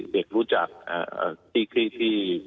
เด็กรู้จักที่